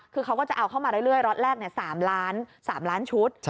คือเขาก็จะเอาเข้ามาเรื่อยล็อตแรก๓ล้านชุด